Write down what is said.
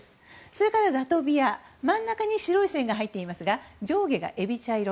それからラトビア真ん中に白い線が入っていますが上下が海老茶色。